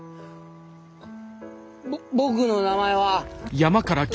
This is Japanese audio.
ぼ僕の名前は。